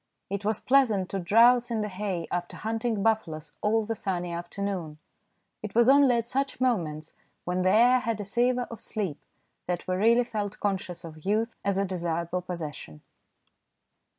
It was pleasant to drowse in the hay after hunting buffaloes all the sunny afternoon. It was only at such moments, when the air had a savour of sleep, that we really felt conscious of youth as a desirable possession.